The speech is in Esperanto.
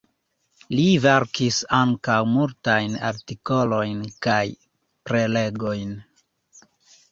Li verkis ankaŭ multajn artikolojn kaj prelegojn.